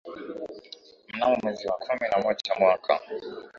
Mnamo mwezi wa kumi na moja mwaka